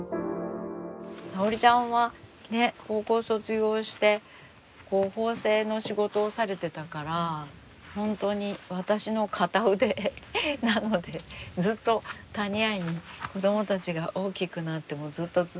さおりちゃんはね高校卒業して縫製の仕事をされてたから本当に私の片腕なのでずっと谷相に子どもたちが大きくなってもずっとずっといてほしいな。